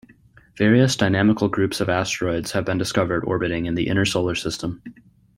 Various dynamical groups of asteroids have been discovered orbiting in the inner Solar System.